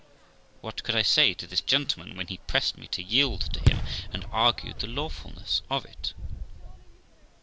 What could I say to this gentleman when he pressed me to yield to him, and argued the lawfulness of it?